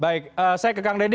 baik saya ke kang deddy